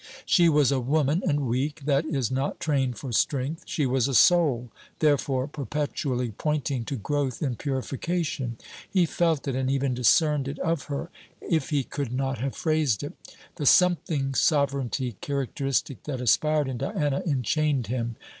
She was a woman and weak; that is, not trained for strength. She was a soul; therefore perpetually pointing to growth in purification. He felt it, and even discerned it of her, if he could not have phrased it. The something sovereignty characteristic that aspired in Diana enchained him.